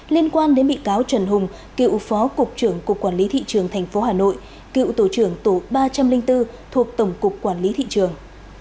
liên quan đến bị cáo trần hùng cựu phó cục trưởng cục quản lý thị trường tp hà nội cựu tổ trưởng tổ ba trăm linh bốn thuộc tổng cục quản lý thị trường